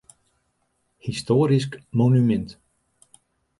Histoarysk monumint.